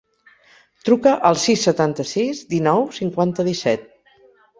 Truca al sis, setanta-sis, dinou, cinquanta, disset.